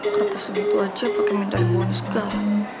kereta segitu aja pakai mental bonus gal